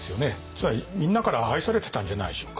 つまりみんなから愛されてたんじゃないでしょうか。